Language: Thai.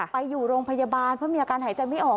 ไปอยู่โรงพยาบาลเพราะมีอาการหายใจไม่ออก